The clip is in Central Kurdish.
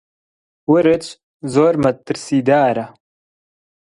ورچ زۆر مەترسیدارە.